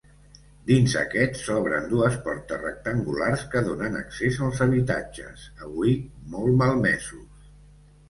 Dins aquest s'obren dues portes rectangulars que donen accés als habitatges, avui molt malmesos.